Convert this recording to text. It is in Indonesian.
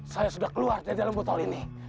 saya sudah keluar dari dalam botol ini